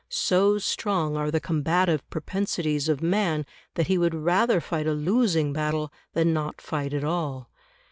So strong are the combative propensities of man that he would rather fight a losing battle than not fight at all.